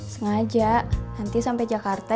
sengaja nanti sampai jakarta